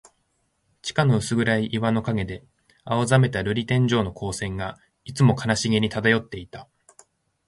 地下の薄暗い岩の影で、青ざめた玻璃天井の光線が、いつも悲しげに漂っていた。